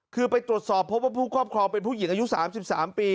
คือไปตรวจสอบพบว่าผู้ครอบครองเป็นผู้หญิงอายุ๓๓ปี